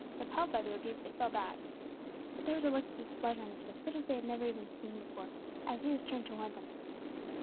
Repelled by the rebuke, they fell back. But there was a look of displeasure on His face, such as they had never seen before, as Jesus turned toward them.